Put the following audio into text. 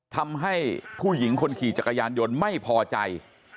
ทำให้ผู้หญิงคนขี่จักรยานยนต์ไม่พอใจ